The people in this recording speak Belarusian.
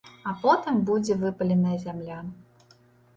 А потым будзе выпаленая зямля.